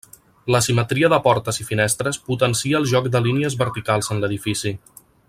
La simetria de portes i finestres potencia el joc de línies verticals en l'edifici.